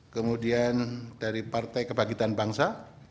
kemudian dari partai kebangkitan bangsa